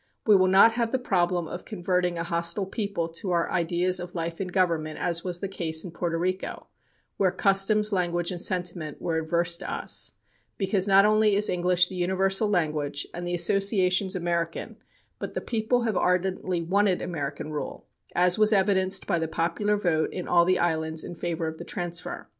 We will not have the problem of converting a hostile people to our ideas of life and government, as was the case in Porto Rico, where customs, language and sentiment were adverse to us, because not only is English the universal language and the associations American, but the people have ardently wanted American rule, as was evidenced by the popular vote in all the islands in favor of the transfer.